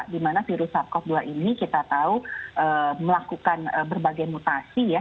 di mana virus sars cov dua ini kita tahu melakukan berbagai mutasi ya